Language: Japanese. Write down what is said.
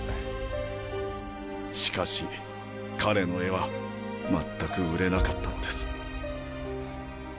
しかし彼の絵は全く売れなかったのです。